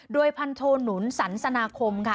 โดยพันโทหนุนสันสนาคมค่ะ